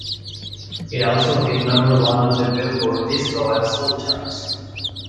It also hit number one on the "Billboard" Disco and Soul charts.